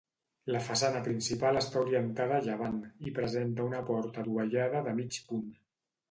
La façana principal està orientada a llevant i presenta una porta adovellada de mig punt.